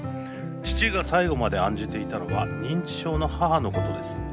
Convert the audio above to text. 父が最後まで案じていたのは認知症の母のことです。